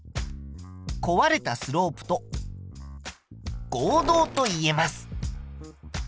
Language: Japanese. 壊れたスロープと合同と言えます。